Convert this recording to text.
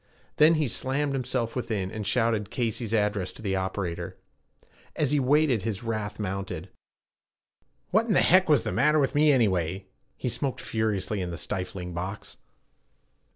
Then he slammed himself within, and shouted Casey's address to the operator. As he waited, his wrath mounted. 'What in heck was the matter with me anyway!' He smoked furiously in the stifling box.